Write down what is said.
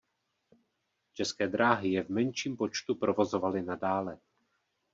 České dráhy je v menším počtu provozovaly nadále.